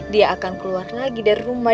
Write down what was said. dia akan keluar lagi dari rumah